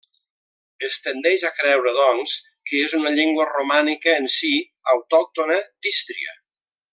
Es tendeix a creure, doncs, que és una llengua romànica en si, autòctona d'Ístria.